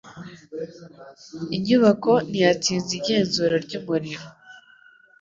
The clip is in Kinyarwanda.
Inyubako ntiyatsinze igenzura ryumuriro